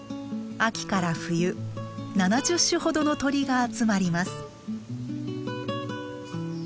秋から冬７０種ほどの鳥が集まります。